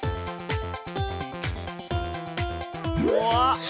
うわっ。